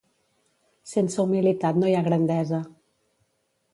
Sense humilitat no hi ha grandesa.